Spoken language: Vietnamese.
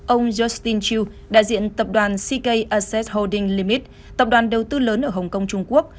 ông justin chu đại diện tập đoàn ck assets holding limit tập đoàn đầu tư lớn ở hồng kông trung quốc